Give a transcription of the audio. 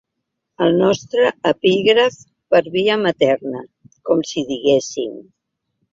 El nostre epígraf per via materna, com si diguéssim.